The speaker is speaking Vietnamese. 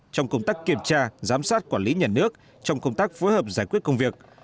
trong công tác kiểm tra giám sát quản lý nhà nước trong công tác phối hợp giải quyết công việc